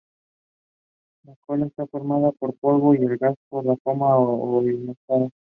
La cola está formada por polvo y el gas de la coma ionizada.